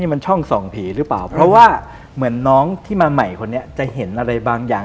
มันช่องส่องผีหรือเปล่าเพราะว่าเหมือนน้องที่มาใหม่คนนี้จะเห็นอะไรบางอย่าง